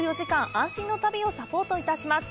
安心の旅をサポートいたします。